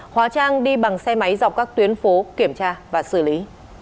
hóa trang đi bằng xe máy dọc các tuyến phố kiểm tra và xử lý